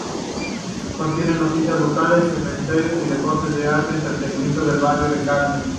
Contiene noticia locales, comentarios, deportes, arte y entretenimiento del barrio de Camden.